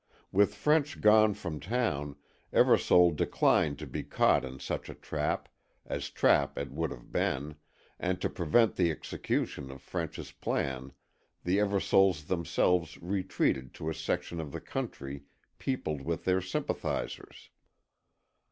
With French gone from town, Eversole declined to be caught in such a trap, as trap it would have been, and to prevent the execution of French's plan the Eversoles themselves retreated to a section of the country peopled with their sympathizers.